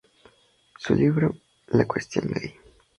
Su libro “"La cuestión gay.